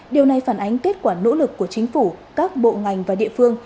điều này phản ánh kết quả nỗ lực của chính phủ các bộ ngành và địa phương